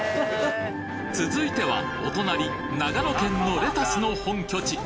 続いてはお隣長野県のレタスの本拠地